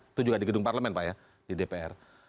itu juga di gedung parlemen pak ya di dpr